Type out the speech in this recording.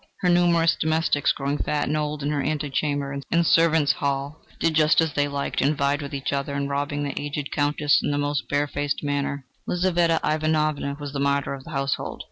Her numerous domestics, growing fat and old in her ante chamber and servants' hall, did just as they liked, and vied with each other in robbing the aged Countess in the most bare faced manner. Lizaveta Ivanovna was the martyr of the household.